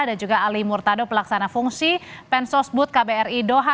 ada juga ali murtado pelaksana fungsi pensosbud kbri doha